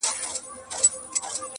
او رحم نه ښکاري.